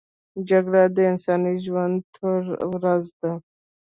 جګړه د انساني ژوند توره ورځ ده